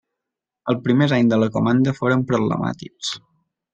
Els primers anys de la comanda foren problemàtics.